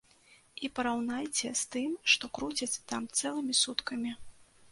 І параўнайце з тым, што круцяць там цэлымі суткамі.